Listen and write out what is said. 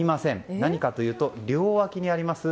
何かといいますと両脇にあります